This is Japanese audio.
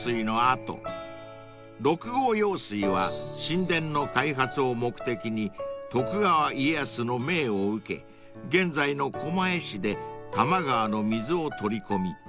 ［六郷用水は新田の開発を目的に徳川家康の命を受け現在の狛江市で多摩川の水を取り込み